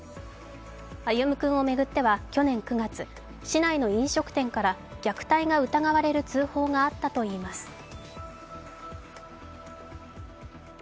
歩夢君を巡っては去年９月、市内の飲食店から虐待が疑われる通報があったといいます。